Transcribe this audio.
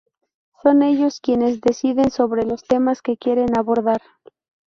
Son ellos quienes deciden sobre los temas que quieren abordar.